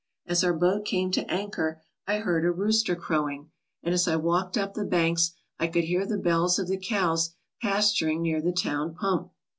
As our boat came to anchor I heard a rooster crowing, and as I walked up the banks I could hear the bells of the cows pasturing near the town pump.